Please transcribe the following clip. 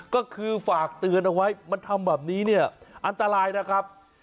ก็คือฝากเตือนเอาไว้มันทำแบบนี้เนี่ยอันตรายนะครับ